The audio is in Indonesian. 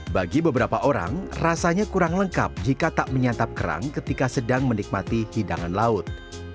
bagi beberapa orang rasanya kurang lengkap jika tak menyantap kerang ketika sedang menikmati hidangan laut